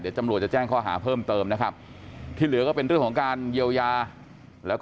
เดี๋ยวตำรวจจะแจ้งข้อหาเพิ่มเติมนะครับที่เหลือก็เป็นเรื่องของการเยียวยาแล้วก็